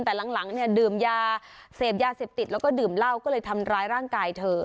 แต่หลังเนี่ยดื่มยาเสพยาเสพติดแล้วก็ดื่มเหล้าก็เลยทำร้ายร่างกายเธอ